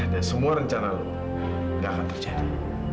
dan semua rencana lu gak akan terjadi